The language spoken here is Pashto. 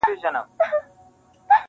پلار کار ته ځي خو زړه يې نه وي هلته,